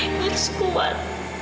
ibu harus kuat